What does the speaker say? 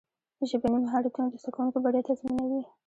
ژبني مهارتونه د زدهکوونکو بریا تضمینوي.